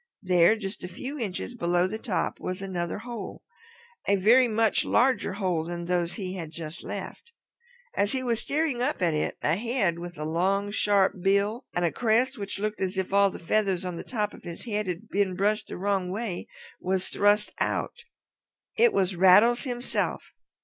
There, just a few inches below the top, was another hole, a very much larger hole than those he had just left. As he was staring up at it a head with a long sharp bill and a crest which looked as if all the feathers on the top of his head had been brushed the wrong way, was thrust out. It was Rattles himself.